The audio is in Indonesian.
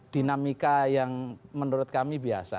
dinamika yang menurut kami biasa